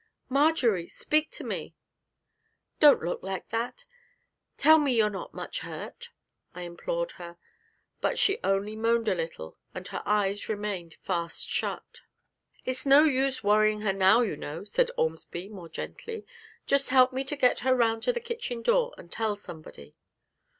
'Marjory, speak to me don't look like that; tell me you're not much hurt!' I implored her; but she only moaned a little, and her eyes remained fast shut. 'It's no use worrying her now, you know,' said Ormsby, more gently. 'Just help me to get her round to the kitchen door, and tell somebody.'